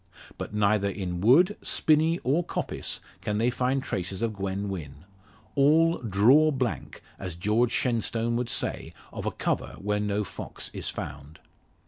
But neither in wood, spinney, or coppice can they find traces of Gwen Wynn; all "draw blank," as George Shenstone would say of a cover where no fox is found.